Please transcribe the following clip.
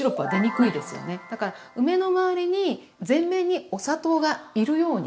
だから梅のまわりに全面にお砂糖がいるように。